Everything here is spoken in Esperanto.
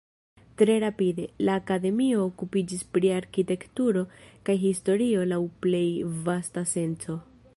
Tre rapide, la Akademio okupiĝis pri arkitekturo kaj historio laŭ plej vasta senco.